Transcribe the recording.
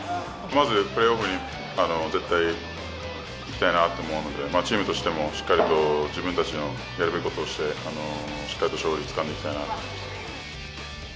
まずプレーオフに絶対行きたいなと思うので、チームとしても、しっかりと自分たちのやるべきことをして、しっかりと勝利つかんでいきたいなと。